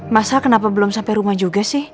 masa kenapa belum sampai rumah juga sih